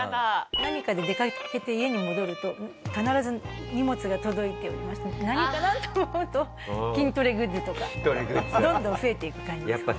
何かで出かけて家に戻ると必ず荷物が届いていまして何かな？と思うとどんどん増えていく感じですかね。